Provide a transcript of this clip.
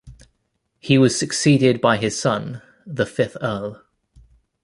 He was succeeded by his son, the fifth Earl.